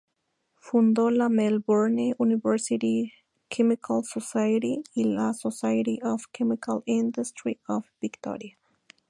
Fundó la Melbourne University Chemical Society y la Society of Chemical Industry of Victoria.